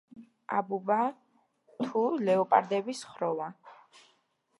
აბუბა vs ლეოპარდების ხროვა